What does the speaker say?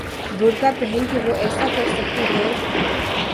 برقعہ پہن کے وہ ایسا کر سکتی ہیں؟